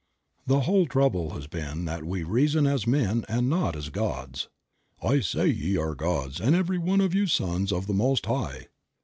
The whole trouble has been that we reason as men and not as Gods. "I say ye are Gods and every one of you Sons of the Most High."